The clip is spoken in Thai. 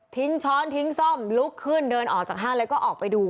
ช้อนทิ้งส้มลุกขึ้นเดินออกจากห้างแล้วก็ออกไปดู